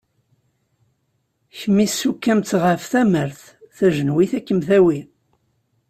Kemm issuk-am-tt ɣef tamart, tajennit ad kem-tawi.